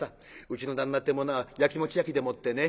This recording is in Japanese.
うちの旦那ってものはやきもち焼きでもってね